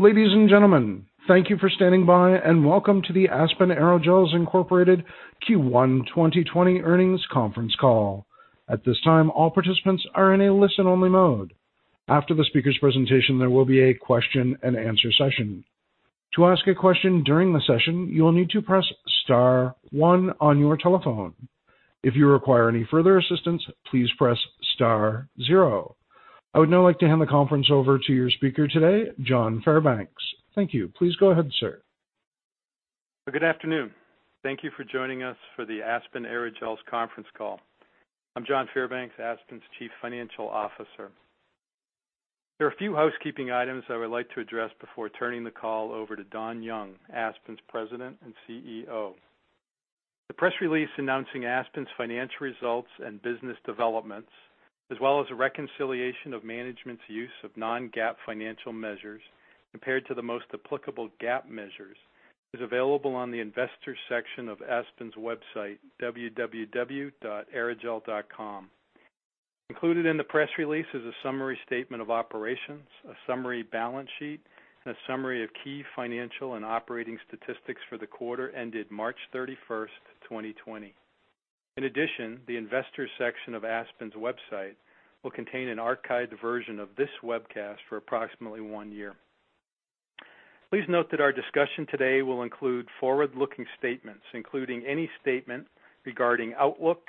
Ladies and gentlemen, thank you for standing by and welcome to the Aspen Aerogels Incorporated Q1 2020 Earnings Conference Call. At this time, all participants are in a listen-only mode. After the speaker's presentation, there will be a question-and-answer session. To ask a question during the session, you will need to press star one on your telephone. If you require any further assistance, please press star zero. I would now like to hand the conference over to your speaker today, John Fairbanks. Thank you. Please go ahead, sir. Good afternoon. Thank you for joining us for the Aspen Aerogels conference call. I'm John Fairbanks, Aspen's Chief Financial Officer. There are a few housekeeping items I would like to address before turning the call over to Don Young, Aspen's President and CEO. The press release announcing Aspen's financial results and business developments, as well as a reconciliation of management's use of non-GAAP financial measures compared to the most applicable GAAP measures, is available on the investor section of Aspen's website, www.aerogel.com. Included in the press release is a summary statement of operations, a summary balance sheet, and a summary of key financial and operating statistics for the quarter ended March 31st, 2020. In addition, the investor section of Aspen's website will contain an archived version of this webcast for approximately one year. Please note that our discussion today will include forward-looking statements, including any statement regarding outlook,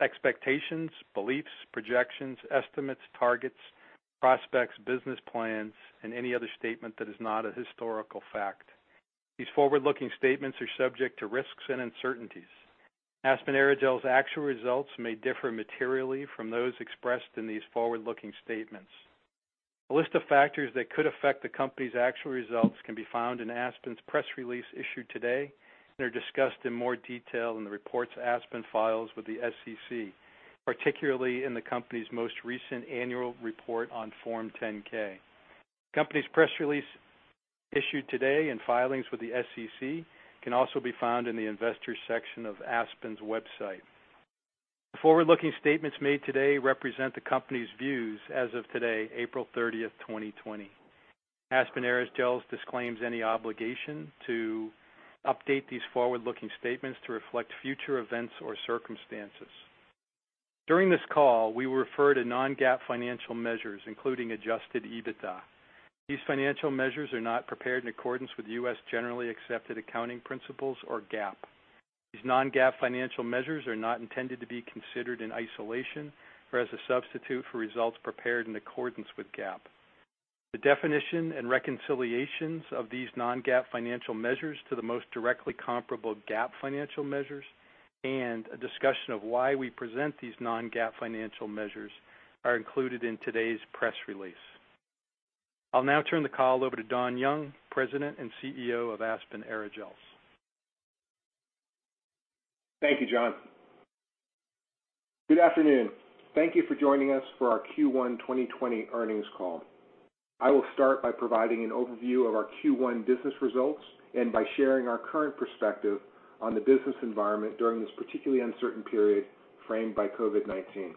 expectations, beliefs, projections, estimates, targets, prospects, business plans, and any other statement that is not a historical fact. These forward-looking statements are subject to risks and uncertainties. Aspen Aerogels' actual results may differ materially from those expressed in these forward-looking statements. A list of factors that could affect the company's actual results can be found in Aspen's press release issued today and are discussed in more detail in the reports Aspen files with the SEC, particularly in the company's most recent annual report on Form 10-K. The company's press release issued today and filings with the SEC can also be found in the investor section of Aspen's website. The forward-looking statements made today represent the company's views as of today, April 30th, 2020. Aspen Aerogels disclaims any obligation to update these forward-looking statements to reflect future events or circumstances. During this call, we will refer to non-GAAP financial measures, including adjusted EBITDA. These financial measures are not prepared in accordance with U.S. generally accepted accounting principles or GAAP. These non-GAAP financial measures are not intended to be considered in isolation or as a substitute for results prepared in accordance with GAAP. The definition and reconciliations of these non-GAAP financial measures to the most directly comparable GAAP financial measures, and a discussion of why we present these non-GAAP financial measures, are included in today's press release. I'll now turn the call over to Don Young, President and CEO of Aspen Aerogels. Thank you, John. Good afternoon. Thank you for joining us for our Q1 2020 Earnings Call. I will start by providing an overview of our Q1 business results and by sharing our current perspective on the business environment during this particularly uncertain period framed by COVID-19.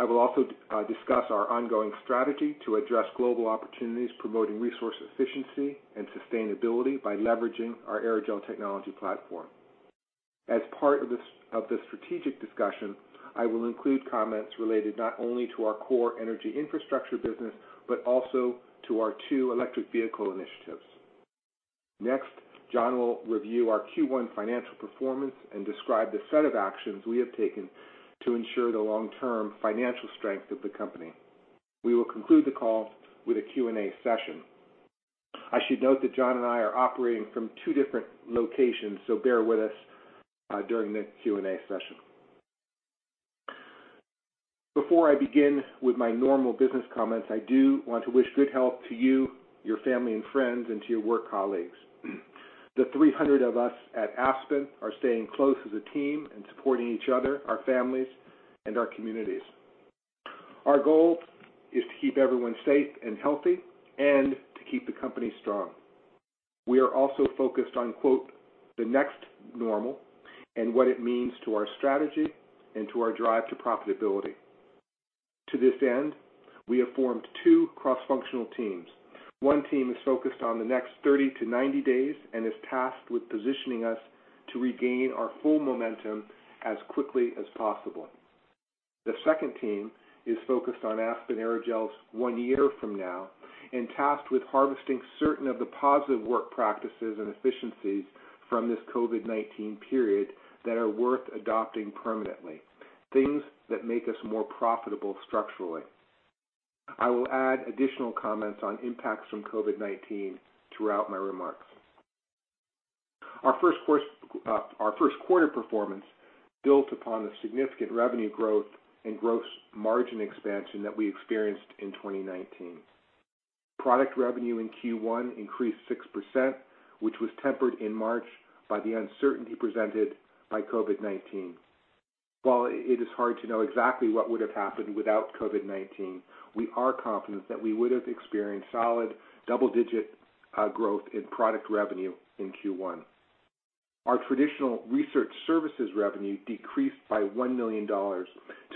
I will also discuss our ongoing strategy to address global opportunities, promoting resource efficiency and sustainability by leveraging our aerogel technology platform. As part of the strategic discussion, I will include comments related not only to our core energy infrastructure business but also to our two electric vehicle initiatives. Next, John will review our Q1 financial performance and describe the set of actions we have taken to ensure the long-term financial strength of the company. We will conclude the call with a Q&A session. I should note that John and I are operating from two different locations, so bear with us during the Q&A session. Before I begin with my normal business comments, I do want to wish good health to you, your family, and friends, and to your work colleagues. The 300 of us at Aspen are staying close as a team and supporting each other, our families, and our communities. Our goal is to keep everyone safe and healthy and to keep the company strong. We are also focused on "the next normal" and what it means to our strategy and to our drive to profitability. To this end, we have formed two cross-functional teams. One team is focused on the next 30-90 days and is tasked with positioning us to regain our full momentum as quickly as possible. The second team is focused on Aspen Aerogels one year from now and tasked with harvesting certain of the positive work practices and efficiencies from this COVID-19 period that are worth adopting permanently, things that make us more profitable structurally. I will add additional comments on impacts from COVID-19 throughout my remarks. Our first quarter performance built upon the significant revenue growth and gross margin expansion that we experienced in 2019. Product revenue in Q1 increased 6%, which was tempered in March by the uncertainty presented by COVID-19. While it is hard to know exactly what would have happened without COVID-19, we are confident that we would have experienced solid double-digit growth in product revenue in Q1. Our traditional research services revenue decreased by $1 million to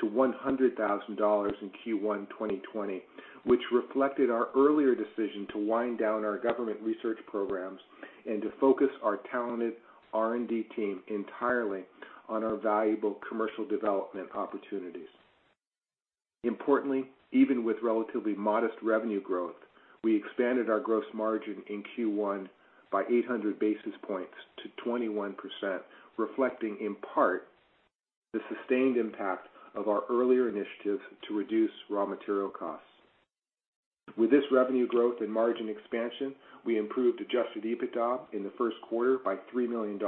$100,000 in Q1 2020, which reflected our earlier decision to wind down our government research programs and to focus our talented R&D team entirely on our valuable commercial development opportunities. Importantly, even with relatively modest revenue growth, we expanded our gross margin in Q1 by 800 basis points to 21%, reflecting in part the sustained impact of our earlier initiatives to reduce raw material costs. With this revenue growth and margin expansion, we improved adjusted EBITDA in the first quarter by $3 million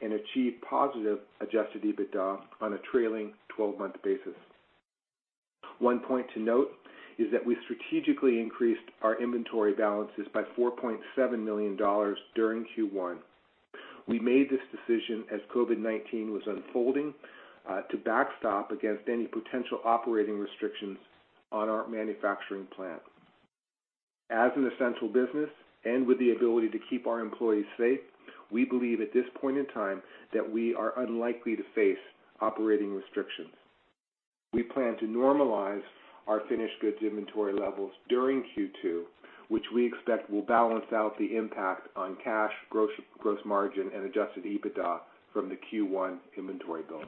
and achieved positive adjusted EBITDA on a trailing 12-month basis. One point to note is that we strategically increased our inventory balances by $4.7 million during Q1. We made this decision as COVID-19 was unfolding to backstop against any potential operating restrictions on our manufacturing plant. As an essential business and with the ability to keep our employees safe, we believe at this point in time that we are unlikely to face operating restrictions. We plan to normalize our finished goods inventory levels during Q2, which we expect will balance out the impact on cash, gross margin, and adjusted EBITDA from the Q1 inventory build.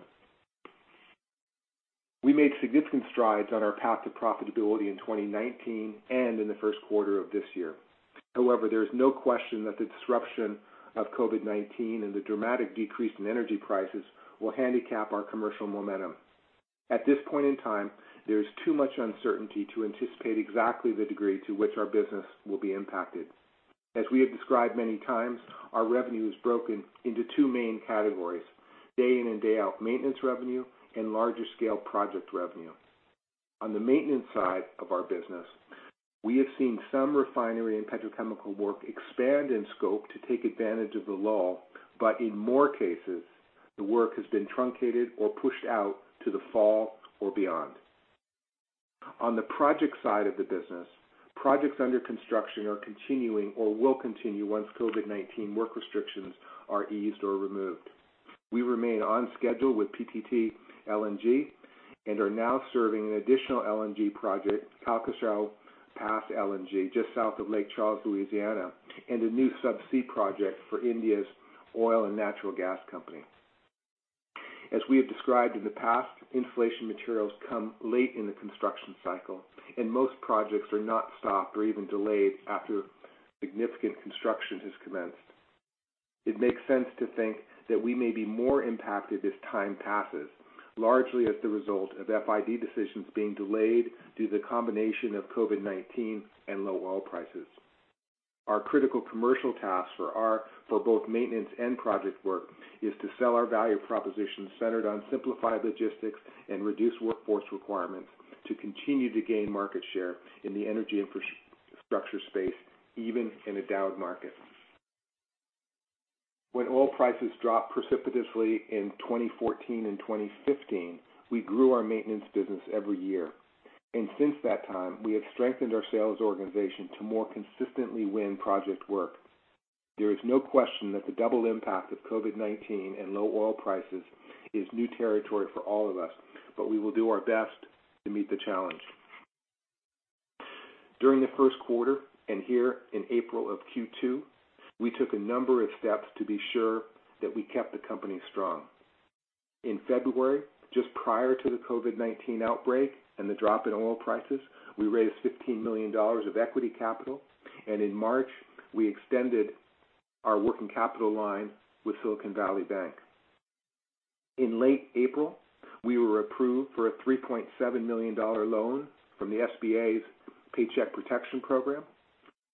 We made significant strides on our path to profitability in 2019 and in the first quarter of this year. However, there is no question that the disruption of COVID-19 and the dramatic decrease in energy prices will handicap our commercial momentum. At this point in time, there is too much uncertainty to anticipate exactly the degree to which our business will be impacted. As we have described many times, our revenue is broken into two main categories: day-in and day-out maintenance revenue and larger-scale project revenue. On the maintenance side of our business, we have seen some refinery and petrochemical work expand in scope to take advantage of the lull, but in more cases, the work has been truncated or pushed out to the fall or beyond. On the project side of the business, projects under construction are continuing or will continue once COVID-19 work restrictions are eased or removed. We remain on schedule with PTT LNG and are now serving an additional LNG project, Calcasieu Pass LNG, just south of Lake Charles, Louisiana, and a new subsea project for India's oil and natural gas company. As we have described in the past, insulation materials come late in the construction cycle, and most projects are not stopped or even delayed after significant construction has commenced. It makes sense to think that we may be more impacted as time passes, largely as the result of FID decisions being delayed due to the combination of COVID-19 and low oil prices. Our critical commercial task for both maintenance and project work is to sell our value proposition centered on simplified logistics and reduced workforce requirements to continue to gain market share in the energy infrastructure space, even in a down market. When oil prices dropped precipitously in 2014 and 2015, we grew our maintenance business every year. And since that time, we have strengthened our sales organization to more consistently win project work. There is no question that the double impact of COVID-19 and low oil prices is new territory for all of us, but we will do our best to meet the challenge. During the first quarter and here in April of Q2, we took a number of steps to be sure that we kept the company strong. In February, just prior to the COVID-19 outbreak and the drop in oil prices, we raised $15 million of equity capital, and in March, we extended our working capital line with Silicon Valley Bank. In late April, we were approved for a $3.7 million loan from the SBA's Paycheck Protection Program.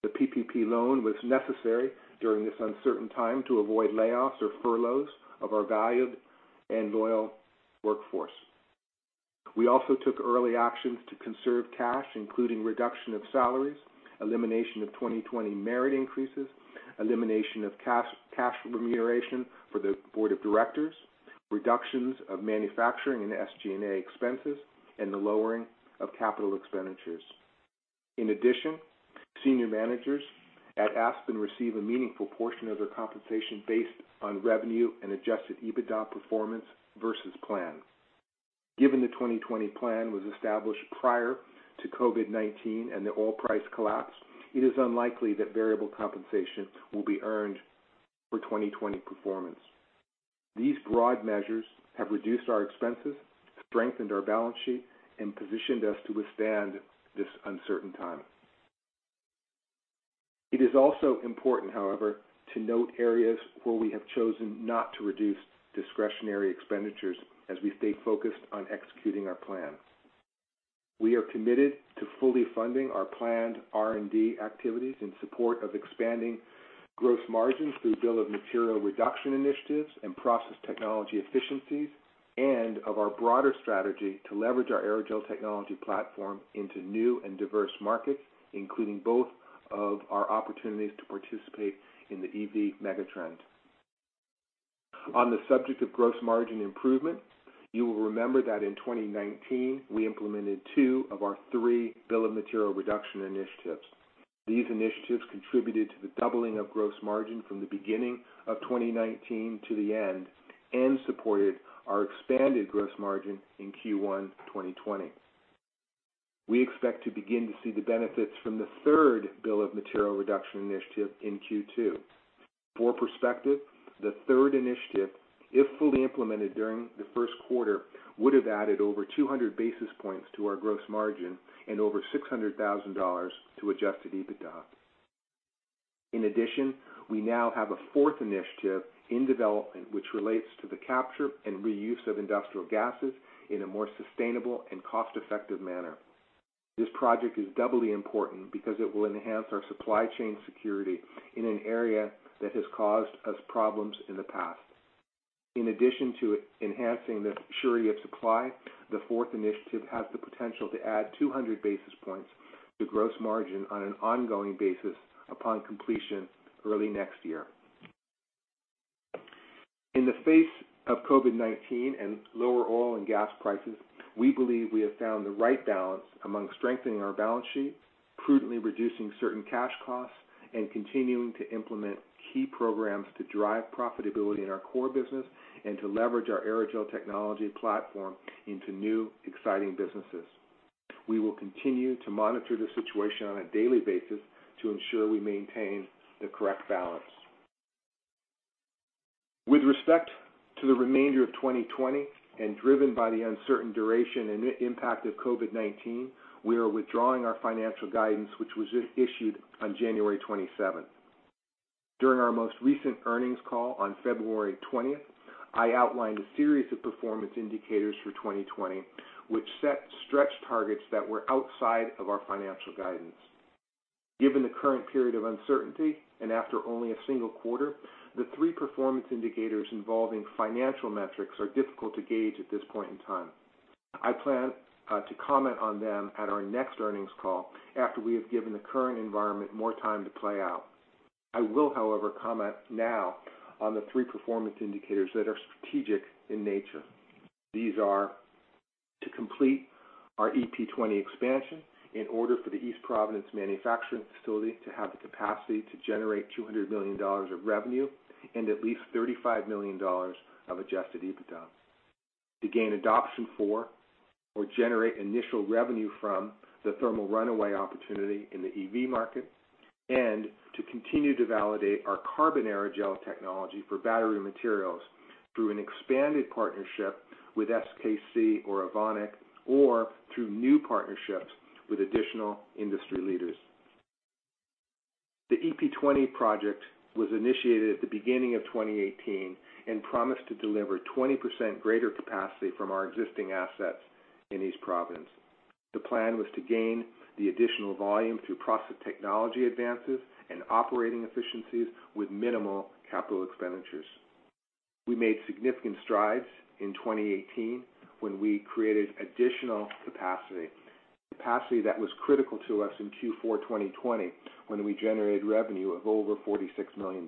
The PPP loan was necessary during this uncertain time to avoid layoffs or furloughs of our valued and loyal workforce. We also took early actions to conserve cash, including reduction of salaries, elimination of 2020 merit increases, elimination of cash remuneration for the board of directors, reductions of manufacturing and SG&A expenses, and the lowering of capital expenditures. In addition, senior managers at Aspen receive a meaningful portion of their compensation based on revenue and adjusted EBITDA performance versus plan. Given the 2020 plan was established prior to COVID-19 and the oil price collapse, it is unlikely that variable compensation will be earned for 2020 performance. These broad measures have reduced our expenses, strengthened our balance sheet, and positioned us to withstand this uncertain time. It is also important, however, to note areas where we have chosen not to reduce discretionary expenditures as we stay focused on executing our plan. We are committed to fully funding our planned R&D activities in support of expanding gross margins through bill of materials reduction initiatives and process technology efficiencies, and of our broader strategy to leverage our aerogel technology platform into new and diverse markets, including both of our opportunities to participate in the EV megatrend. On the subject of gross margin improvement, you will remember that in 2019, we implemented two of our three bill of materials reduction initiatives. These initiatives contributed to the doubling of gross margin from the beginning of 2019 to the end and supported our expanded gross margin in Q1 2020. We expect to begin to see the benefits from the third bill of materials reduction initiative in Q2. For perspective, the third initiative, if fully implemented during the first quarter, would have added over 200 basis points to our gross margin and over $600,000 to adjusted EBITDA. In addition, we now have a fourth initiative in development which relates to the capture and reuse of industrial gases in a more sustainable and cost-effective manner. This project is doubly important because it will enhance our supply chain security in an area that has caused us problems in the past. In addition to enhancing the surety of supply, the fourth initiative has the potential to add 200 basis points to gross margin on an ongoing basis upon completion early next year. In the face of COVID-19 and lower oil and gas prices, we believe we have found the right balance among strengthening our balance sheet, prudently reducing certain cash costs, and continuing to implement key programs to drive profitability in our core business and to leverage our aerogel technology platform into new exciting businesses. We will continue to monitor the situation on a daily basis to ensure we maintain the correct balance. With respect to the remainder of 2020, and driven by the uncertain duration and impact of COVID-19, we are withdrawing our financial guidance, which was issued on January 27th. During our most recent earnings call on February 20th, I outlined a series of performance indicators for 2020, which set stretch targets that were outside of our financial guidance. Given the current period of uncertainty and after only a single quarter, the three performance indicators involving financial metrics are difficult to gauge at this point in time. I plan to comment on them at our next earnings call after we have given the current environment more time to play out. I will, however, comment now on the three performance indicators that are strategic in nature. These are to complete our EP20 expansion in order for the East Providence manufacturing facility to have the capacity to generate $200 million of revenue and at least $35 million of adjusted EBITDA, to gain adoption for or generate initial revenue from the thermal runaway opportunity in the EV market, and to continue to validate our carbon aerogel technology for battery materials through an expanded partnership with SKC or Evonik or through new partnerships with additional industry leaders. The EP20 project was initiated at the beginning of 2018 and promised to deliver 20% greater capacity from our existing assets in East Providence. The plan was to gain the additional volume through process technology advances and operating efficiencies with minimal capital expenditures. We made significant strides in 2018 when we created additional capacity, capacity that was critical to us in Q4 2020 when we generated revenue of over $46 million.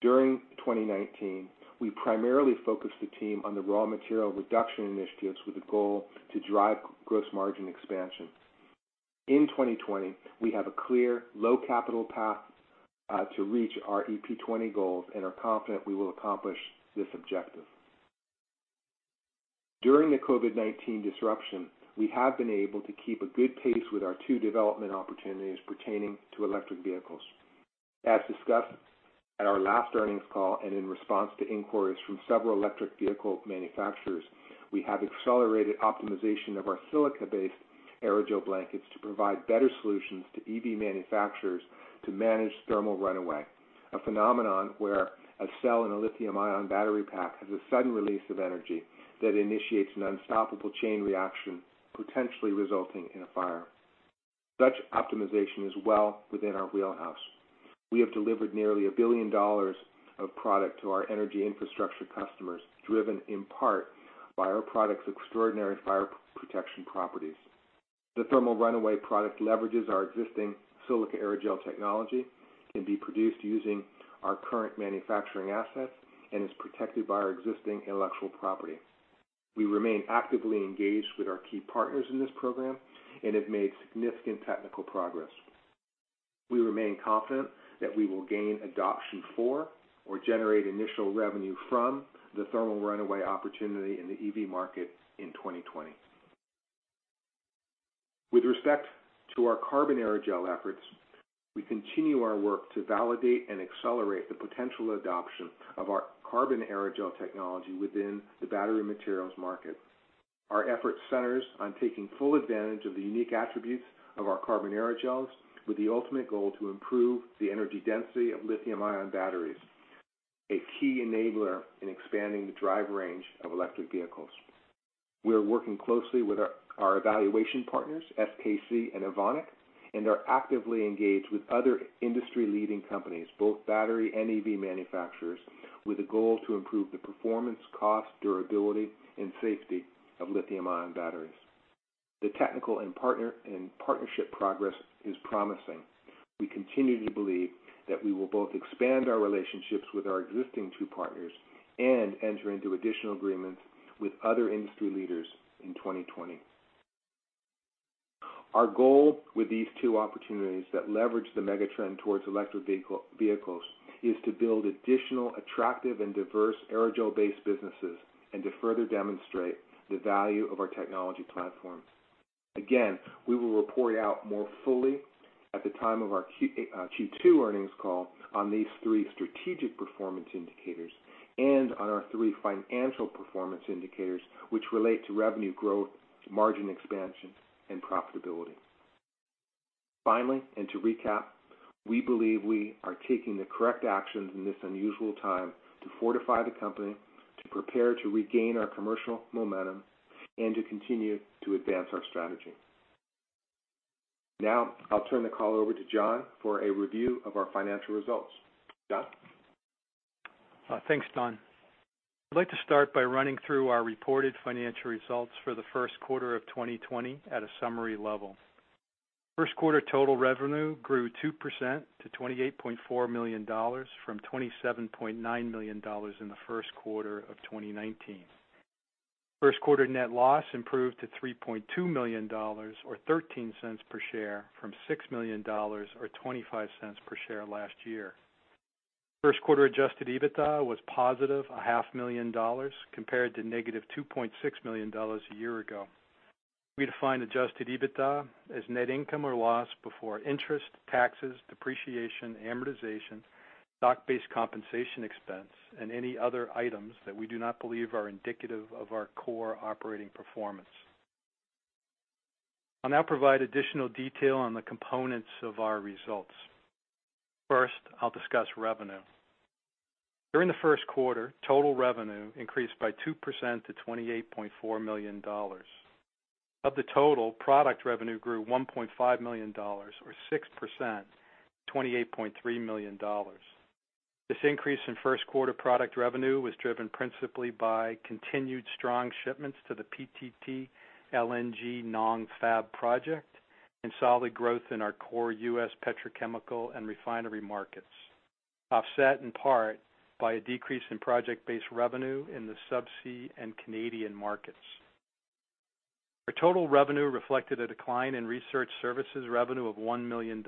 During 2019, we primarily focused the team on the raw material reduction initiatives with a goal to drive gross margin expansion. In 2020, we have a clear low capital path to reach our EP20 goals and are confident we will accomplish this objective. During the COVID-19 disruption, we have been able to keep a good pace with our two development opportunities pertaining to electric vehicles. As discussed at our last earnings call and in response to inquiries from several electric vehicle manufacturers, we have accelerated optimization of our silica-based aerogel blankets to provide better solutions to EV manufacturers to manage thermal runaway, a phenomenon where a cell in a lithium-ion battery pack has a sudden release of energy that initiates an unstoppable chain reaction, potentially resulting in a fire. Such optimization is well within our wheelhouse. We have delivered nearly $1 billion of product to our energy infrastructure customers, driven in part by our product's extraordinary fire protection properties. The thermal runaway product leverages our existing silica aerogel technology, can be produced using our current manufacturing assets, and is protected by our existing intellectual property. We remain actively engaged with our key partners in this program and have made significant technical progress. We remain confident that we will gain adoption for or generate initial revenue from the thermal runaway opportunity in the EV market in 2020. With respect to our carbon aerogel efforts, we continue our work to validate and accelerate the potential adoption of our carbon aerogel technology within the battery materials market. Our effort centers on taking full advantage of the unique attributes of our carbon aerogels, with the ultimate goal to improve the energy density of lithium-ion batteries, a key enabler in expanding the drive range of electric vehicles. We are working closely with our evaluation partners, SKC and Evonik, and are actively engaged with other industry-leading companies, both battery and EV manufacturers, with a goal to improve the performance, cost, durability, and safety of lithium-ion batteries. The technical and partnership progress is promising. We continue to believe that we will both expand our relationships with our existing two partners and enter into additional agreements with other industry leaders in 2020. Our goal with these two opportunities that leverage the megatrend towards electric vehicles is to build additional attractive and diverse aerogel-based businesses and to further demonstrate the value of our technology platform. Again, we will report out more fully at the time of our Q2 earnings call on these three strategic performance indicators and on our three financial performance indicators, which relate to revenue growth, margin expansion, and profitability. Finally, and to recap, we believe we are taking the correct actions in this unusual time to fortify the company, to prepare to regain our commercial momentum, and to continue to advance our strategy. Now, I'll turn the call over to John for a review of our financial results. John? Thanks, Don. I'd like to start by running through our reported financial results for the first quarter of 2020 at a summary level. First quarter total revenue grew 2% to $28.4 million from $27.9 million in the first quarter of 2019. First quarter net loss improved to $3.2 million or $0.13 per share from $6 million or $0.25 per share last year. First quarter adjusted EBITDA was +$500,000 compared to -$2.6 million a year ago. We define adjusted EBITDA as net income or loss before interest, taxes, depreciation, amortization, stock-based compensation expense, and any other items that we do not believe are indicative of our core operating performance. I'll now provide additional detail on the components of our results. First, I'll discuss revenue. During the first quarter, total revenue increased by 2% to $28.4 million. Of the total, product revenue grew $1.5 million or 6% to $28.3 million. This increase in first quarter product revenue was driven principally by continued strong shipments to the PTT LNG Nong Fab project and solid growth in our core U.S. petrochemical and refinery markets, offset in part by a decrease in project-based revenue in the subsea and Canadian markets. Our total revenue reflected a decline in research services revenue of $1 million,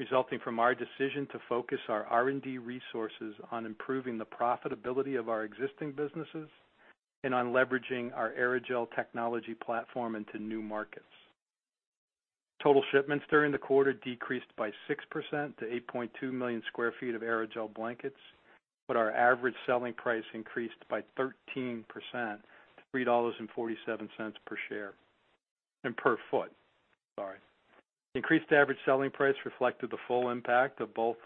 resulting from our decision to focus our R&D resources on improving the profitability of our existing businesses and on leveraging our aerogel technology platform into new markets. Total shipments during the quarter decreased by 6% to 8.2 million sq ft of aerogel blankets, but our average selling price increased by 13% to $3.47 per share and per foot. Sorry. Increased average selling price reflected the full impact of both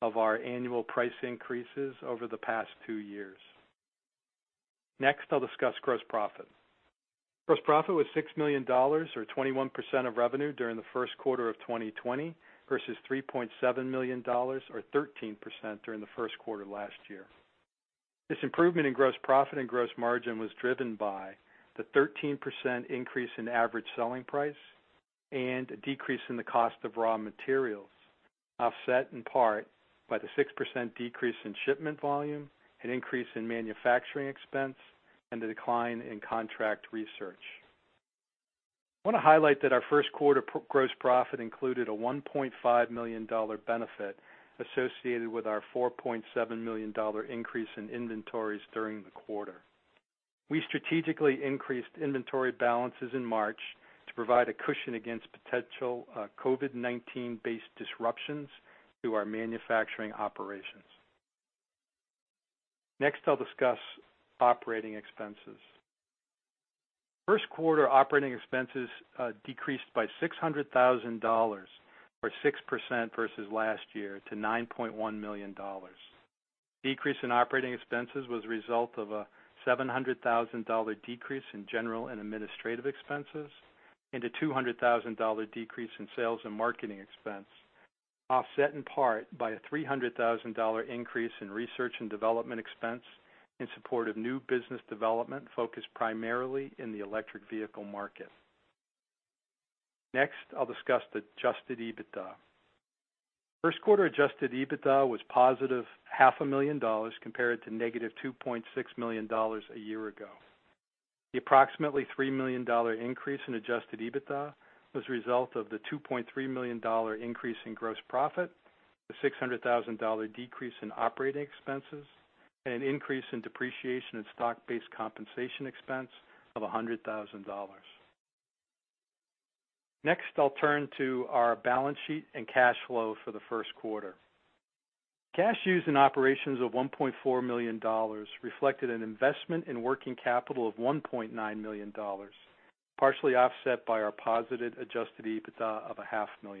of our annual price increases over the past two years. Next, I'll discuss gross profit. Gross profit was $6 million or 21% of revenue during the first quarter of 2020 versus $3.7 million or 13% during the first quarter last year. This improvement in gross profit and gross margin was driven by the 13% increase in average selling price and a decrease in the cost of raw materials, offset in part by the 6% decrease in shipment volume, an increase in manufacturing expense, and the decline in contract research. I want to highlight that our first quarter gross profit included a $1.5 million benefit associated with our $4.7 million increase in inventories during the quarter. We strategically increased inventory balances in March to provide a cushion against potential COVID-19-based disruptions to our manufacturing operations. Next, I'll discuss operating expenses. First quarter operating expenses decreased by $600,000 or 6% versus last year to $9.1 million. Decrease in operating expenses was a result of a $700,000 decrease in general and administrative expenses and a $200,000 decrease in sales and marketing expense, offset in part by a $300,000 increase in research and development expense in support of new business development focused primarily in the electric vehicle market. Next, I'll discuss adjusted EBITDA. First quarter adjusted EBITDA was +$500,000 compared to -$2.6 million a year ago. The approximately $3 million increase in adjusted EBITDA was a result of the $2.3 million increase in gross profit, the $600,000 decrease in operating expenses, and an increase in depreciation and stock-based compensation expense of $100,000. Next, I'll turn to our balance sheet and cash flow for the first quarter. Cash used in operations of $1.4 million reflected an investment in working capital of $1.9 million, partially offset by our positive adjusted EBITDA of $500,000.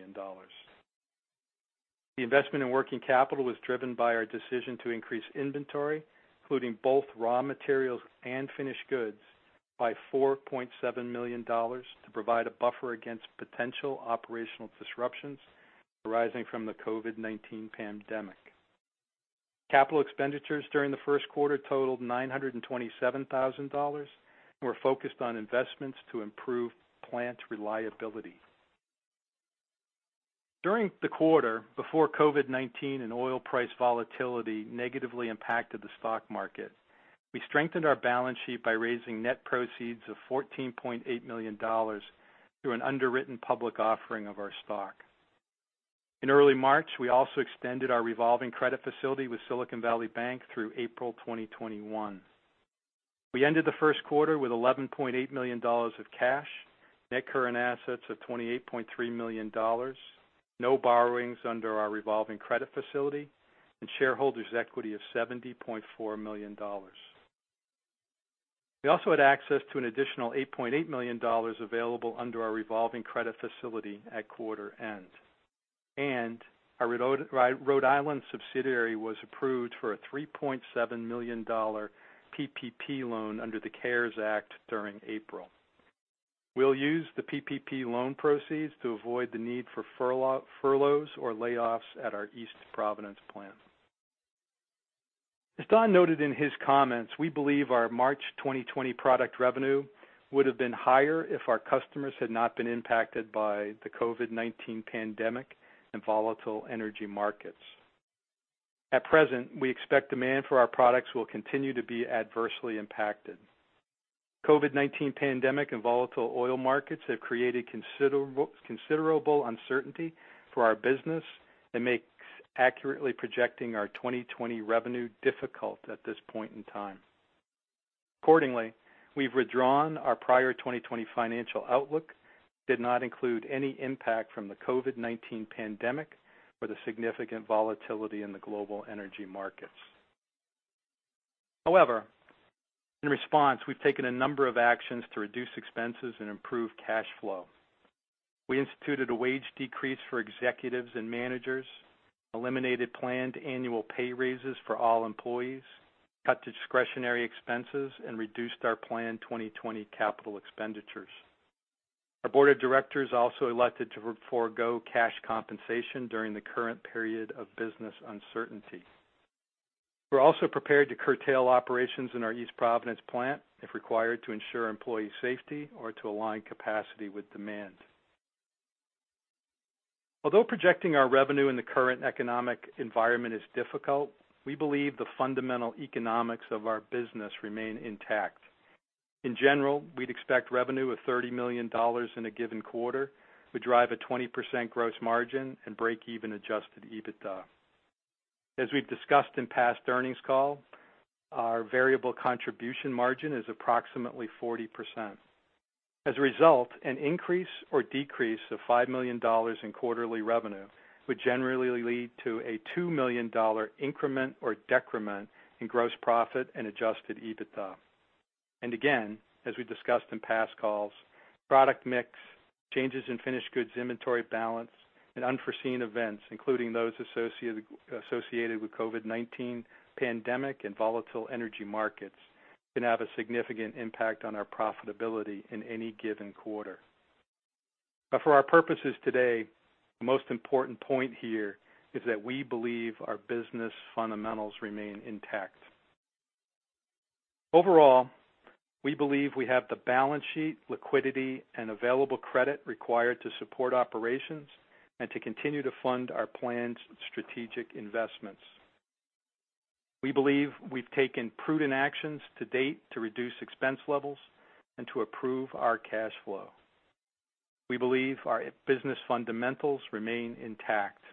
The investment in working capital was driven by our decision to increase inventory, including both raw materials and finished goods, by $4.7 million to provide a buffer against potential operational disruptions arising from the COVID-19 pandemic. Capital expenditures during the first quarter totaled $927,000 and were focused on investments to improve plant reliability. During the quarter, before COVID-19 and oil price volatility negatively impacted the stock market, we strengthened our balance sheet by raising net proceeds of $14.8 million through an underwritten public offering of our stock. In early March, we also extended our revolving credit facility with Silicon Valley Bank through April 2021. We ended the first quarter with $11.8 million of cash, net current assets of $28.3 million, no borrowings under our revolving credit facility, and shareholders' equity of $70.4 million. We also had access to an additional $8.8 million available under our revolving credit facility at quarter end. And our Rhode Island subsidiary was approved for a $3.7 million PPP loan under the CARES Act during April. We'll use the PPP loan proceeds to avoid the need for furloughs or layoffs at our East Providence plant. As Don noted in his comments, we believe our March 2020 product revenue would have been higher if our customers had not been impacted by the COVID-19 pandemic and volatile energy markets. At present, we expect demand for our products will continue to be adversely impacted. COVID-19 pandemic and volatile oil markets have created considerable uncertainty for our business and make accurately projecting our 2020 revenue difficult at this point in time. Accordingly, we've withdrawn our prior 2020 financial outlook, did not include any impact from the COVID-19 pandemic or the significant volatility in the global energy markets. However, in response, we've taken a number of actions to reduce expenses and improve cash flow. We instituted a wage decrease for executives and managers, eliminated planned annual pay raises for all employees, cut discretionary expenses, and reduced our planned 2020 capital expenditures. Our board of directors also elected to forego cash compensation during the current period of business uncertainty. We're also prepared to curtail operations in our East Providence plant, if required, to ensure employee safety or to align capacity with demand. Although projecting our revenue in the current economic environment is difficult, we believe the fundamental economics of our business remain intact. In general, we'd expect revenue of $30 million in a given quarter would drive a 20% gross margin and break-even adjusted EBITDA. As we've discussed in past earnings call, our variable contribution margin is approximately 40%. As a result, an increase or decrease of $5 million in quarterly revenue would generally lead to a $2 million increment or decrement in gross profit and adjusted EBITDA. And again, as we discussed in past calls, product mix, changes in finished goods inventory balance, and unforeseen events, including those associated with the COVID-19 pandemic and volatile energy markets, can have a significant impact on our profitability in any given quarter. But for our purposes today, the most important point here is that we believe our business fundamentals remain intact. Overall, we believe we have the balance sheet, liquidity, and available credit required to support operations and to continue to fund our planned strategic investments. We believe we've taken prudent actions to date to reduce expense levels and to improve our cash flow. We believe our business fundamentals remain intact,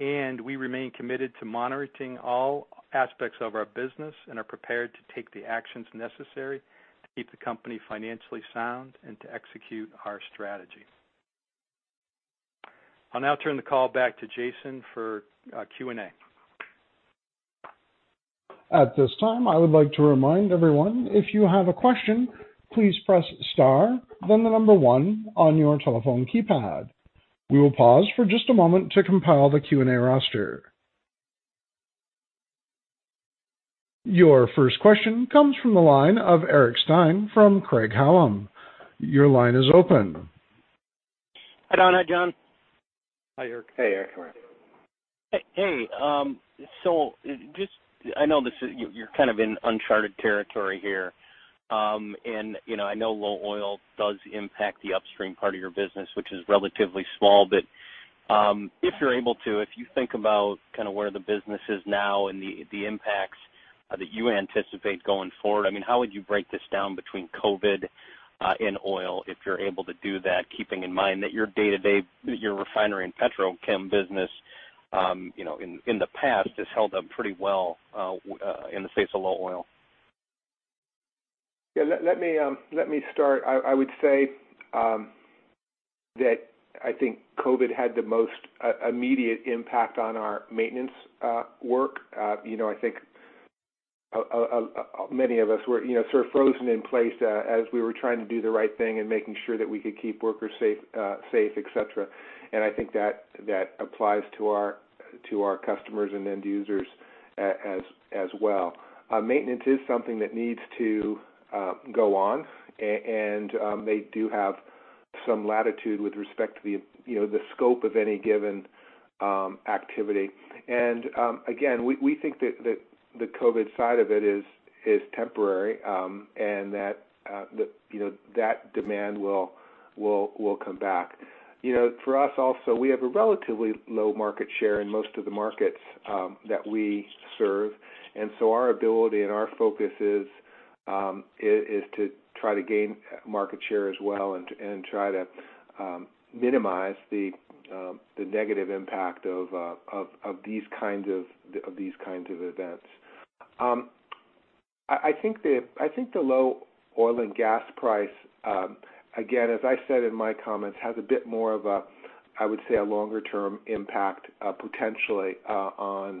and we remain committed to monitoring all aspects of our business and are prepared to take the actions necessary to keep the company financially sound and to execute our strategy. I'll now turn the call back to Jason for Q&A. At this time, I would like to remind everyone, if you have a question, please press star, then the number one on your telephone keypad. We will pause for just a moment to compile the Q&A roster. Your first question comes from the line of Eric Stine from Craig-Hallum. Your line is open. Hi, Don. Hi, John. Hi, Eric. Hey, Eric. Hey. Hey. So, I just know this is. You're kind of in uncharted territory here. And I know low oil does impact the upstream part of your business, which is relatively small. But if you're able to, if you think about kind of where the business is now and the impacts that you anticipate going forward, I mean, how would you break this down between COVID and oil if you're able to do that, keeping in mind that your day-to-day, your refinery and petrochem business in the past has held up pretty well in the face of low oil? Yeah. Let me start. I would say that I think COVID had the most immediate impact on our maintenance work. I think many of us were sort of frozen in place as we were trying to do the right thing and making sure that we could keep workers safe, etc. And I think that applies to our customers and end users as well. Maintenance is something that needs to go on, and they do have some latitude with respect to the scope of any given activity. And again, we think that the COVID side of it is temporary and that that demand will come back. For us also, we have a relatively low market share in most of the markets that we serve. And so our ability and our focus is to try to gain market share as well and try to minimize the negative impact of these kinds of events. I think the low oil and gas price, again, as I said in my comments, has a bit more of a, I would say, a longer-term impact potentially on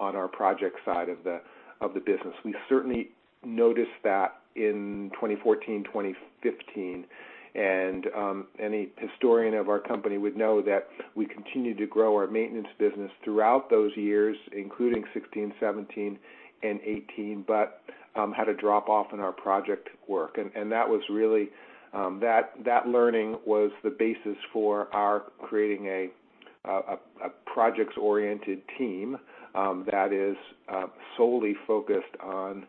our project side of the business. We certainly noticed that in 2014, 2015. And any historian of our company would know that we continued to grow our maintenance business throughout those years, including 2016, 2017, and 2018, but had a drop-off in our project work. And that was really that learning was the basis for our creating a projects-oriented team that is solely focused on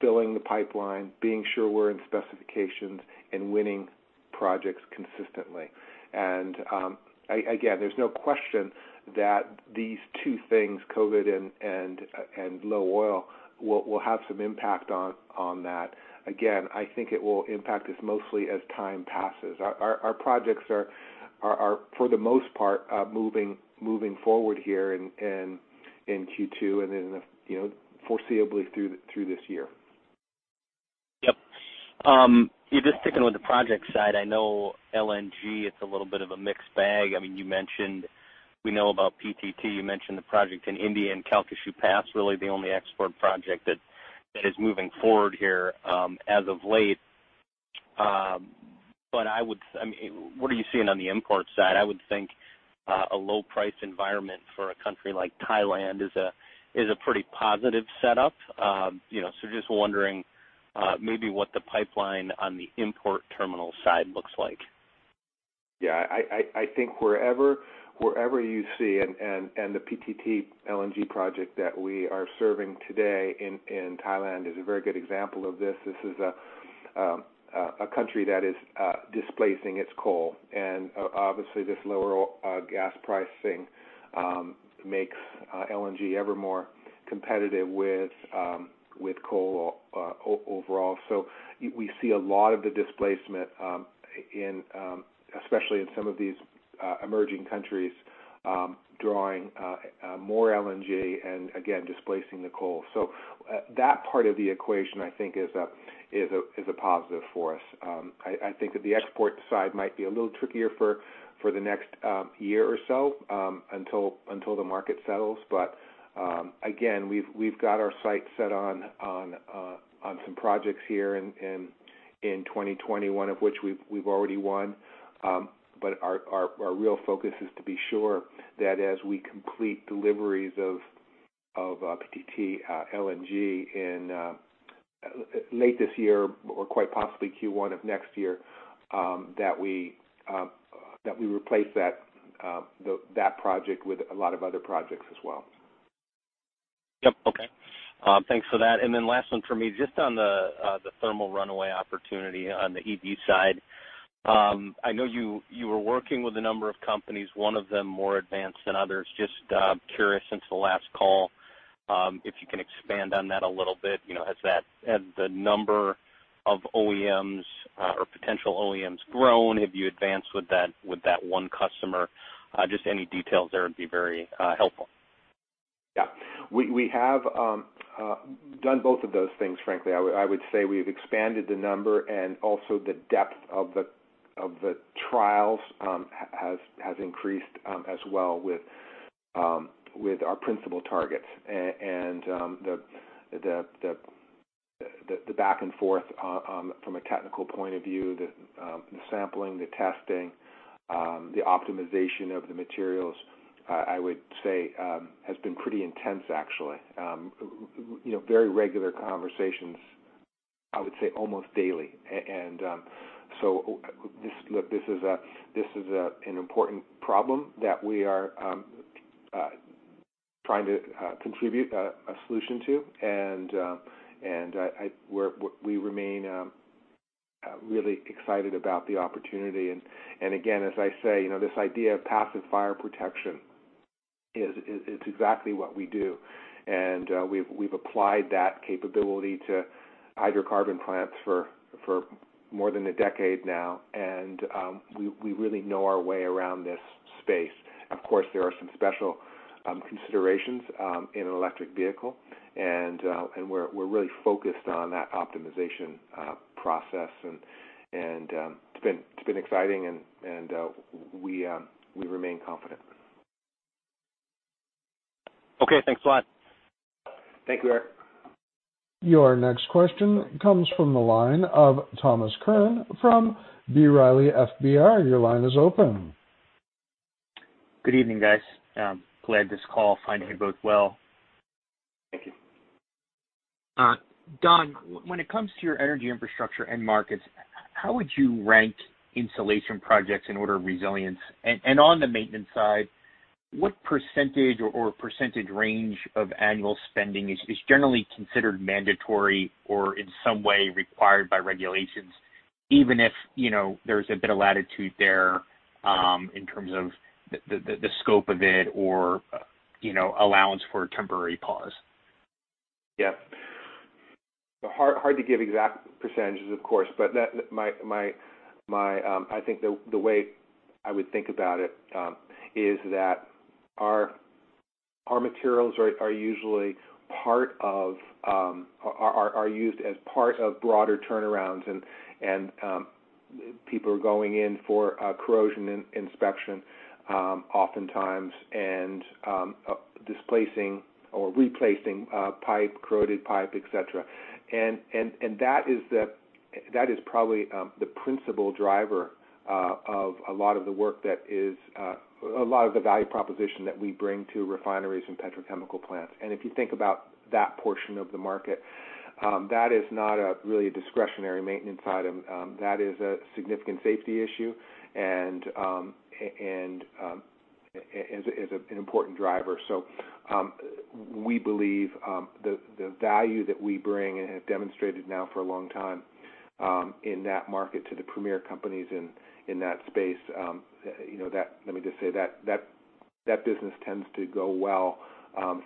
filling the pipeline, being sure we're in specifications, and winning projects consistently. And again, there's no question that these two things, COVID and low oil, will have some impact on that. Again, I think it will impact us mostly as time passes. Our projects are, for the most part, moving forward here in Q2 and then foreseeably through this year. Yep. Just sticking with the project side, I know LNG, it's a little bit of a mixed bag. I mean, you mentioned we know about PTT. You mentioned the project in India and Calcasieu Pass, really the only export project that is moving forward here as of late. But I mean, what are you seeing on the import side? I would think a low-priced environment for a country like Thailand is a pretty positive setup. So just wondering maybe what the pipeline on the import terminal side looks like. Yeah. I think wherever you see and the PTT LNG project that we are serving today in Thailand is a very good example of this. This is a country that is displacing its coal. And obviously, this lower gas pricing makes LNG ever more competitive with coal overall. So we see a lot of the displacement, especially in some of these emerging countries, drawing more LNG and, again, displacing the coal. So that part of the equation, I think, is a positive for us. I think that the export side might be a little trickier for the next year or so until the market settles. But again, we've got our sights set on some projects here in 2020, one of which we've already won. But our real focus is to be sure that as we complete deliveries of PTT LNG in late this year or quite possibly Q1 of next year, that we replace that project with a lot of other projects as well. Yep. Okay. Thanks for that. And then last one for me, just on the thermal runaway opportunity on the EV side. I know you were working with a number of companies, one of them more advanced than others. Just curious since the last call if you can expand on that a little bit. Has the number of OEMs or potential OEMs grown? Have you advanced with that one customer? Just any details there would be very helpful. Yeah. We have done both of those things, frankly. I would say we've expanded the number and also the depth of the trials has increased as well with our principal targets. And the back and forth from a technical point of view, the sampling, the testing, the optimization of the materials, I would say, has been pretty intense, actually. Very regular conversations, I would say, almost daily. And so look, this is an important problem that we are trying to contribute a solution to. And we remain really excited about the opportunity. And again, as I say, this idea of passive fire protection, it's exactly what we do. And we've applied that capability to hydrocarbon plants for more than a decade now. And we really know our way around this space. Of course, there are some special considerations in an electric vehicle. And we're really focused on that optimization process. And it's been exciting, and we remain confident. Okay. Thanks a lot. Thank you, Eric. Your next question comes from the line of Thomas Curran from B. Riley FBR. Your line is open. Good evening, guys. Glad this call. Finding you both well. Thank you. Don, when it comes to your energy infrastructure and markets, how would you rank insulation projects in order of resilience? On the maintenance side, what percentage or percentage range of annual spending is generally considered mandatory or in some way required by regulations, even if there's a bit of latitude there in terms of the scope of it or allowance for a temporary pause? Yep. Hard to give exact percentages, of course. But I think the way I would think about it is that our materials are usually used as part of broader turnarounds. People are going in for corrosion inspection oftentimes and displacing or replacing pipe, corroded pipe, etc. That is probably the principal driver of a lot of the value proposition that we bring to refineries and petrochemical plants. If you think about that portion of the market, that is not really a discretionary maintenance item. That is a significant safety issue and is an important driver. So we believe the value that we bring and have demonstrated now for a long time in that market to the premier companies in that space, let me just say that that business tends to go well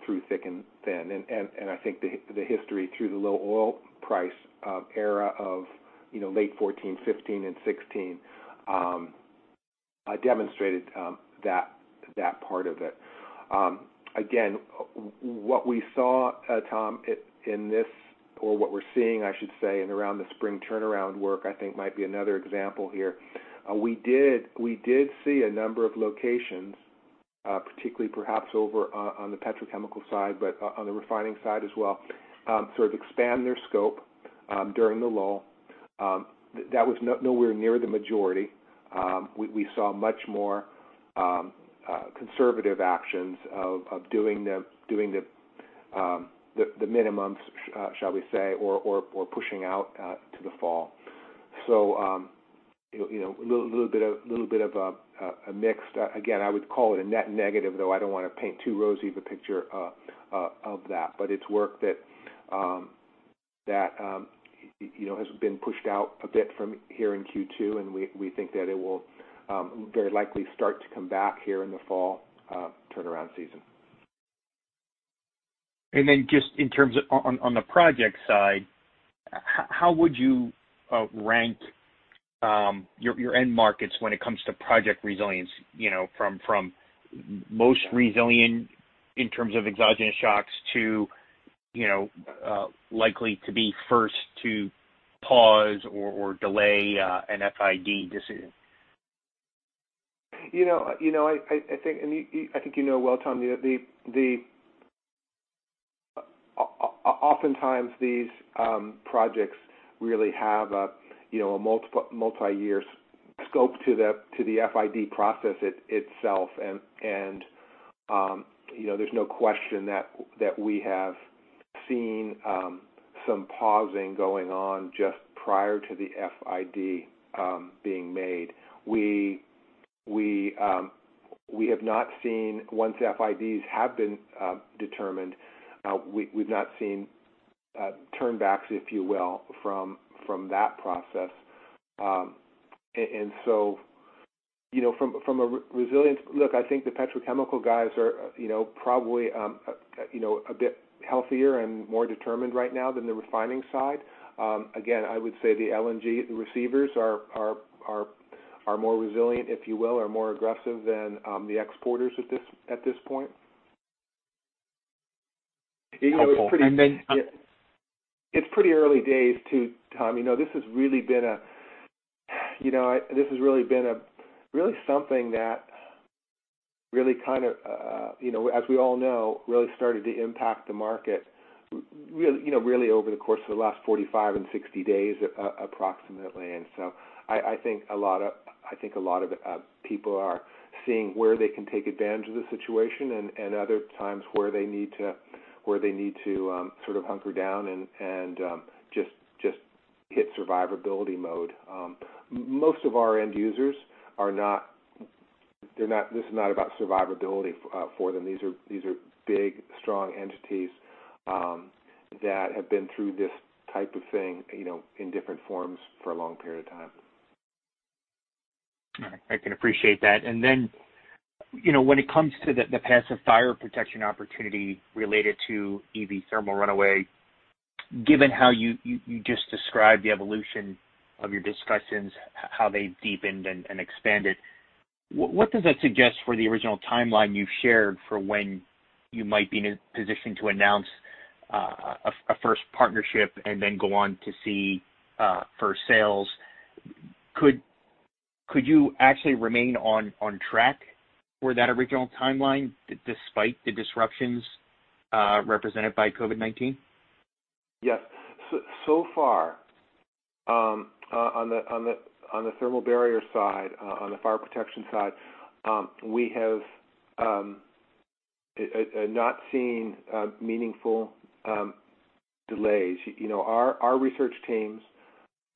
through thick and thin. And I think the history through the low oil price era of late 2014, 2015, and 2016 demonstrated that part of it. Again, what we saw, Tom, in this or what we're seeing, I should say, and around the spring turnaround work, I think might be another example here. We did see a number of locations, particularly perhaps over on the petrochemical side, but on the refining side as well, sort of expand their scope during the lull. That was nowhere near the majority. We saw much more conservative actions of doing the minimums, shall we say, or pushing out to the fall. So a little bit of a mixed. Again, I would call it a net negative, though I don't want to paint too rosy of a picture of that. But it's work that has been pushed out a bit from here in Q2. And we think that it will very likely start to come back here in the fall turnaround season. And then just in terms of on the project side, how would you rank your end markets when it comes to project resilience from most resilient in terms of exogenous shocks to likely to be first to pause or delay an FID decision? I think you know well, Tom, that oftentimes these projects really have a multi-year scope to the FID process itself. There's no question that we have seen some pausing going on just prior to the FID being made. We have not seen once FIDs have been determined, we've not seen turnbacks, if you will, from that process. And so from a resilience, look, I think the petrochemical guys are probably a bit healthier and more determined right now than the refining side. Again, I would say the LNG receivers are more resilient, if you will, or more aggressive than the exporters at this point. It's pretty early days too, Tom. This has really been something that really kind of, as we all know, really started to impact the market really over the course of the last 45 and 60 days approximately. And so I think a lot of people are seeing where they can take advantage of the situation and other times where they need to sort of hunker down and just hit survivability mode. Most of our end users are not. This is not about survivability for them. These are big, strong entities that have been through this type of thing in different forms for a long period of time. I can appreciate that. And then when it comes to the passive fire protection opportunity related to EV thermal runaway, given how you just described the evolution of your discussions, how they've deepened and expanded, what does that suggest for the original timeline you've shared for when you might be in a position to announce a first partnership and then go on to see for sales? Could you actually remain on track for that original timeline despite the disruptions represented by COVID-19? Yes. So far, on the thermal barrier side, on the fire protection side, we have not seen meaningful delays. Our research teams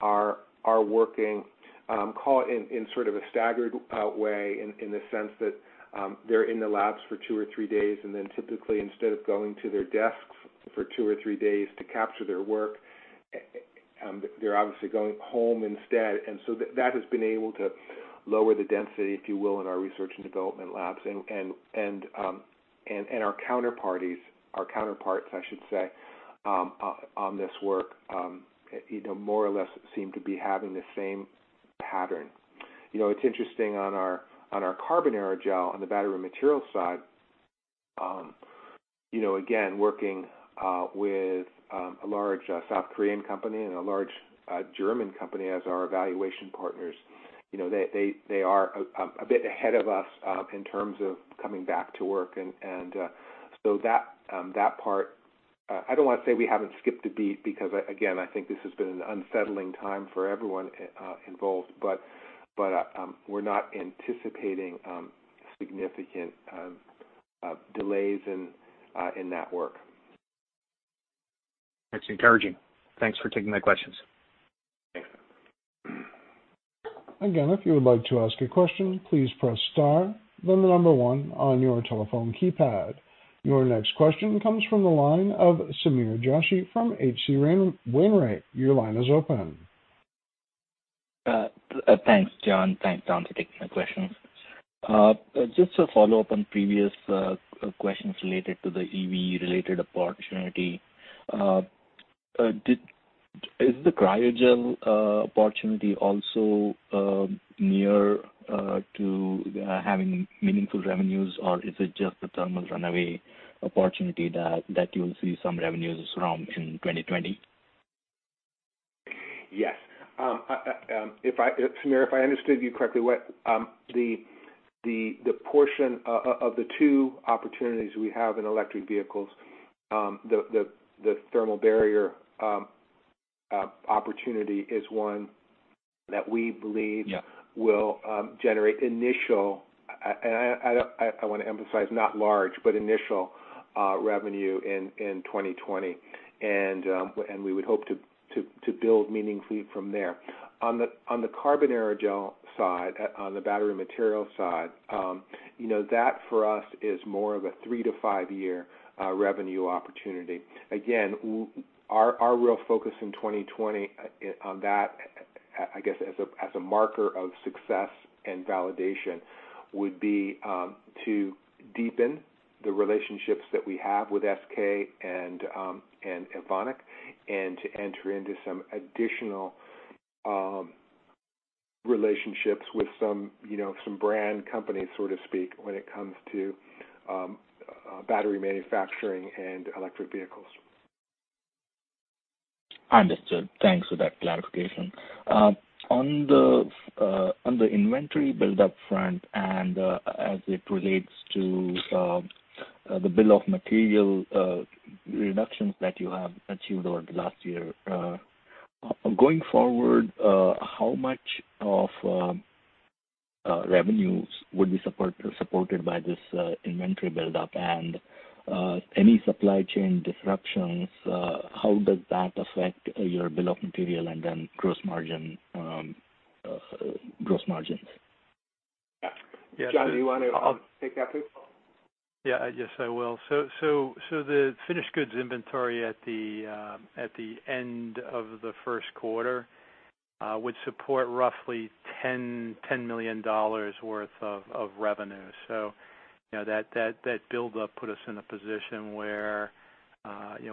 are working in sort of a staggered way in the sense that they're in the labs for two or three days. And then typically, instead of going to their desks for two or three days to capture their work, they're obviously going home instead. And so that has been able to lower the density, if you will, in our research and development labs. And our counterparts, I should say, on this work more or less seem to be having the same pattern. It's interesting on our carbon aerogel on the battery material side, again, working with a large South Korean company and a large German company as our evaluation partners. They are a bit ahead of us in terms of coming back to work. And so that part, I don't want to say we haven't skipped a beat because, again, I think this has been an unsettling time for everyone involved. But we're not anticipating significant delays in that work. That's encouraging. Thanks for taking my questions. Thanks. Again, if you would like to ask a question, please press star, then the number one on your telephone keypad. Your next question comes from the line of Sameer Joshi from H.C. Wainwright. Your line is open. Thanks, John. Thanks, Don, for taking my questions. Just to follow up on previous questions related to the EV-related opportunity, is the Cryogel opportunity also near to having meaningful revenues, or is it just the thermal runaway opportunity that you will see some revenues from in 2020? Yes. Sameer, if I understood you correctly, the portion of the two opportunities we have in electric vehicles, the thermal barrier opportunity is one that we believe will generate initial, and I want to emphasize not large, but initial revenue in 2020. And we would hope to build meaningfully from there. On the carbon aerogel side, on the battery material side, that for us is more of a three to five-year revenue opportunity. Again, our real focus in 2020 on that, I guess, as a marker of success and validation would be to deepen the relationships that we have with SK and Evonik and to enter into some additional relationships with some brand companies, so to speak, when it comes to battery manufacturing and electric vehicles. Understood. Thanks for that clarification. On the inventory build-up front and as it relates to the bill of material reductions that you have achieved over the last year, going forward, how much of revenues would be supported by this inventory build-up? And any supply chain disruptions, how does that affect your bill of material and then gross margins? Yeah. John, do you want to take that, too? Yeah. Yes, I will. So the finished goods inventory at the end of the first quarter would support roughly $10 million worth of revenue. So that build-up put us in a position where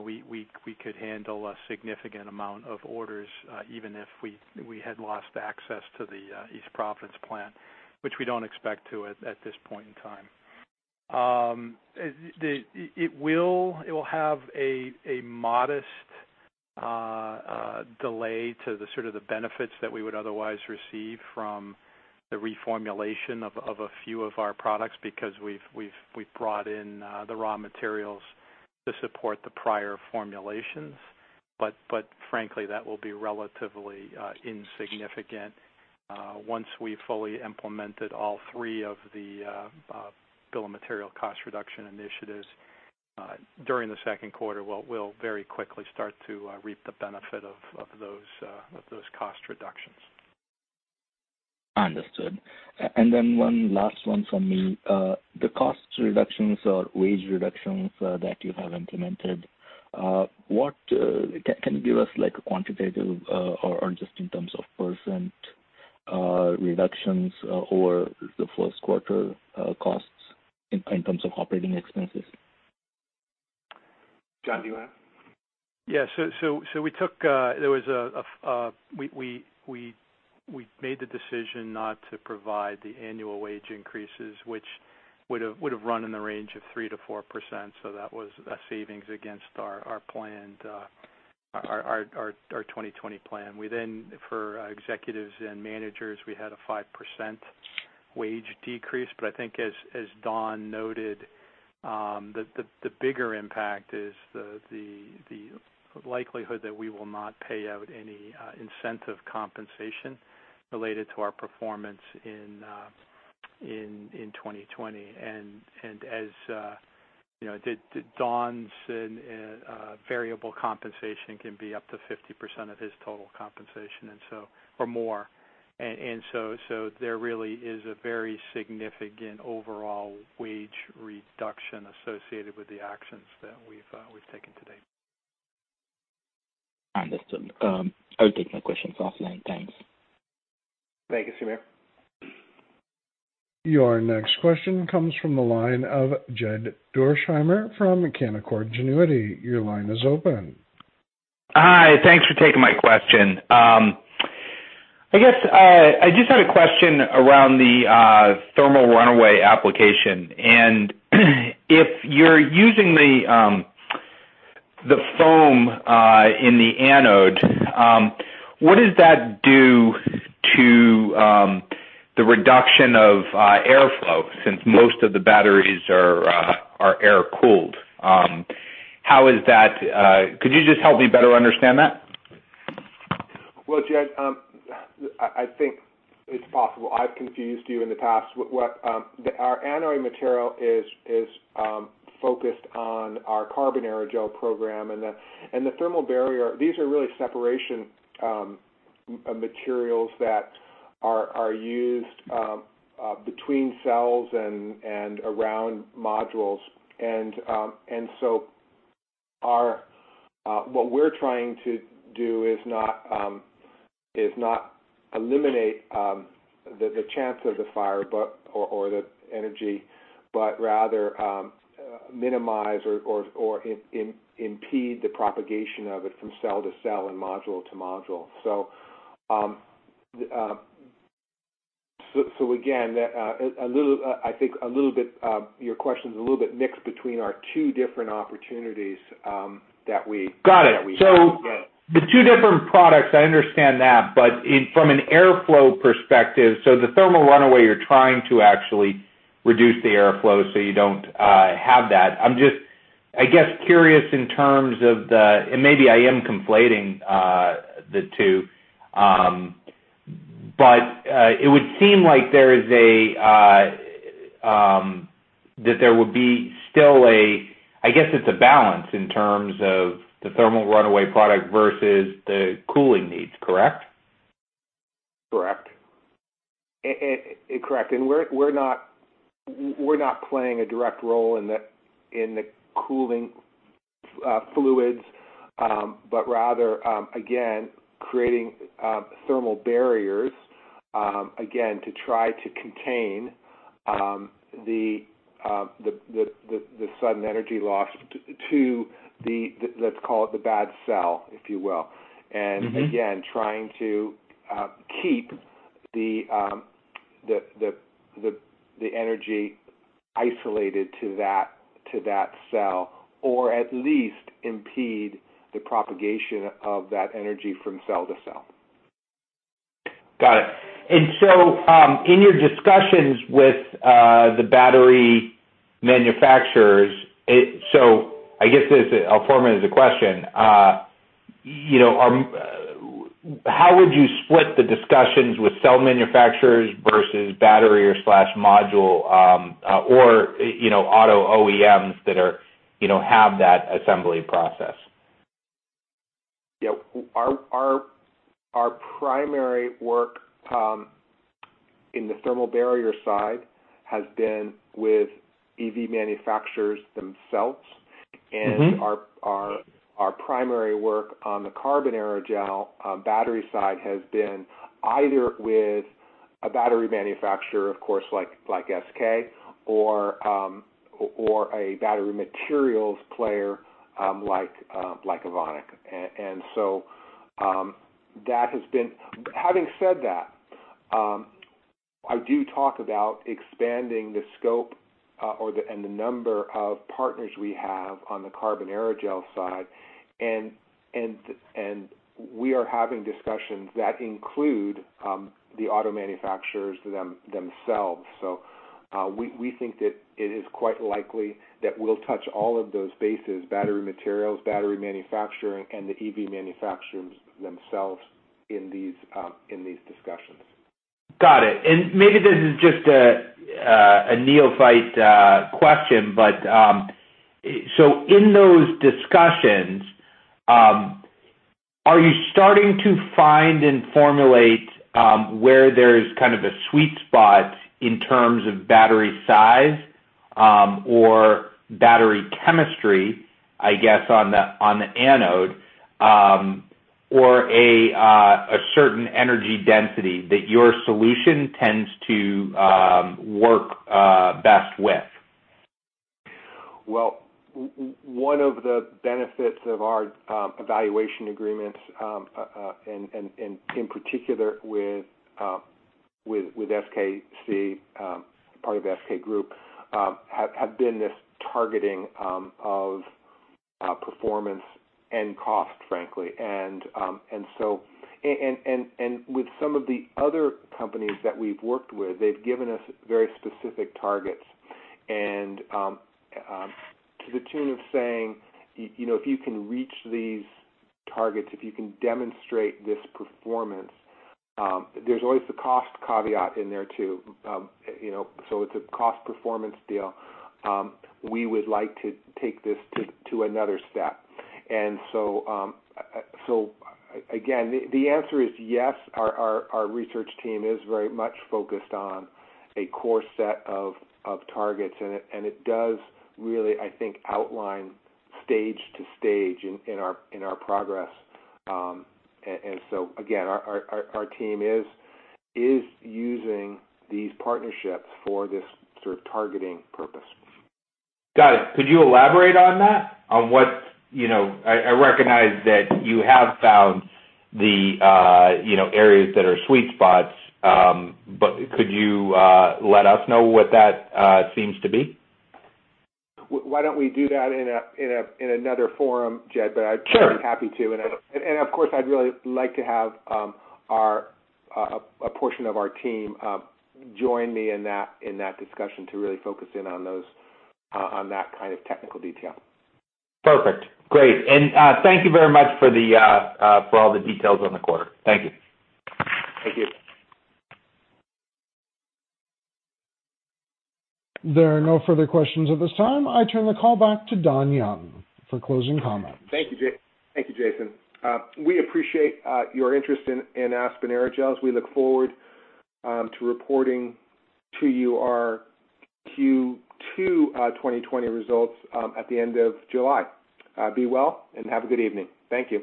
we could handle a significant amount of orders even if we had lost access to the East Providence plant, which we don't expect to at this point in time. It will have a modest delay to sort of the benefits that we would otherwise receive from the reformulation of a few of our products because we've brought in the raw materials to support the prior formulations. But frankly, that will be relatively insignificant once we've fully implemented all three of the bill of materials cost reduction initiatives during the second quarter. We'll very quickly start to reap the benefit of those cost reductions. Understood. And then one last one from me. The cost reductions or wage reductions that you have implemented. Can you give us a quantitative or just in terms of percent reductions over the first quarter costs in terms of operating expenses? John, do you want to? Yeah. So we made the decision not to provide the annual wage increases, which would have run in the range of 3%-4%. So that was a savings against our planned 2020 plan. We then, for executives and managers, we had a 5% wage decrease. But I think as Don noted, the bigger impact is the likelihood that we will not pay out any incentive compensation related to our performance in 2020. And as Don said, variable compensation can be up to 50% of his total compensation or more. And so there really is a very significant overall wage reduction associated with the actions that we've taken today. Understood. I will take my questions offline. Thanks. Thank you, Sameer. Your next question comes from the line of Jed Dorsheimer from Canaccord Genuity. Your line is open. Hi. Thanks for taking my question. I guess I just had a question around the thermal runaway application. And if you're using the foam in the anode, what does that do to the reduction of airflow since most of the batteries are air-cooled? How is that? Could you just help me better understand that? Well, Jed, I think it's possible. I've confused you in the past. Our anode material is focused on our carbon aerogel program. And the thermal barrier, these are really separation materials that are used between cells and around modules. And so what we're trying to do is not eliminate the chance of the fire or the energy, but rather minimize or impede the propagation of it from cell to cell and module to module. So again, I think your question is a little bit mixed between our two different opportunities that we - Got it. So the two different products, I understand that. But from an airflow perspective, so the thermal runaway, you're trying to actually reduce the airflow so you don't have that. I'm just, I guess, curious in terms of the - and maybe I am conflating the two. But it would seem like there is a - that there would be still a - I guess it's a balance in terms of the thermal runaway product versus the cooling needs, correct? Correct. Correct. We're not playing a direct role in the cooling fluids, but rather, again, creating thermal barriers, again, to try to contain the sudden energy loss to the, let's call it the bad cell, if you will. And again, trying to keep the energy isolated to that cell or at least impede the propagation of that energy from cell to cell. Got it. And so in your discussions with the battery manufacturers, so I guess I'll formulate the question: how would you split the discussions with cell manufacturers versus battery or module or auto OEMs that have that assembly process? Yeah. Our primary work in the thermal barrier side has been with EV manufacturers themselves. And our primary work on the carbon aerogel battery side has been either with a battery manufacturer, of course, like SK or a battery materials player like Evonik. Having said that, I do talk about expanding the scope and the number of partners we have on the carbon aerogel side. And we are having discussions that include the auto manufacturers themselves. So we think that it is quite likely that we'll touch all of those bases: battery materials, battery manufacturing, and the EV manufacturers themselves in these discussions. Got it. And maybe this is just a neophyte question, but so in those discussions, are you starting to find and formulate where there is kind of a sweet spot in terms of battery size or battery chemistry, I guess, on the anode or a certain energy density that your solution tends to work best with? Well, one of the benefits of our evaluation agreements, and in particular with SKC, part of SK Group, have been this targeting of performance and cost, frankly. And so with some of the other companies that we've worked with, they've given us very specific targets. And to the tune of saying, "If you can reach these targets, if you can demonstrate this performance," there's always the cost caveat in there too. So it's a cost-performance deal. We would like to take this to another step. And so again, the answer is yes. Our research team is very much focused on a core set of targets. And it does really, I think, outline stage to stage in our progress. And so again, our team is using these partnerships for this sort of targeting purpose. Got it. Could you elaborate on that? I recognize that you have found the areas that are sweet spots, but could you let us know what that seems to be? Why don't we do that in another forum, Jed? But I'd be happy to. Of course, I'd really like to have a portion of our team join me in that discussion to really focus in on that kind of technical detail. Perfect. Great. Thank you very much for all the details on the quarter. Thank you. Thank you. There are no further questions at this time. I turn the call back to Don Young for closing comments. Thank you, Jason. We appreciate your interest in Aspen Aerogels. We look forward to reporting to you our Q2 2020 results at the end of July. Be well and have a good evening. Thank you.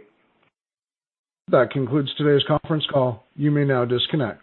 That concludes today's conference call. You may now disconnect.